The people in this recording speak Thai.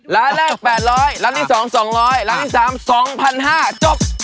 ร้านแรก๘๐๐ร้านที่๒๒๐๐ร้านที่๓๒๕๐๐จบ